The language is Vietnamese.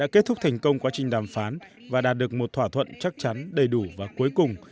kết thúc thành công quá trình đàm phán và đạt được một thỏa thuận chắc chắn đầy đủ và cuối cùng